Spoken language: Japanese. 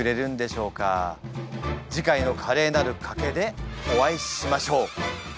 次回の「カレーなる賭け」でお会いしましょう。